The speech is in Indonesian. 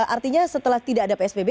artinya setelah tidak ada psbb